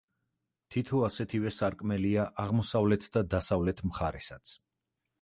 თითო ასეთივე სარკმელია აღმოსავლეთ და დასავლეთ მხარესაც.